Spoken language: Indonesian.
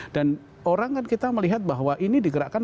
dan orang kan kita melihat bahwa ini digerakkan